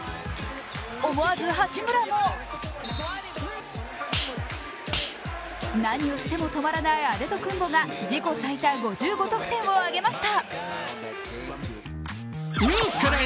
思わず八村も何をしても止まらないアデトクンボが自己最多５５得点を挙げました。